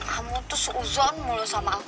kamu tuh seuzon mulu sama aku